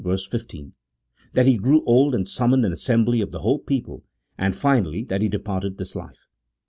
15) ; that he grew old and summoned an assembly of the whole people, and finally that he de parted this life.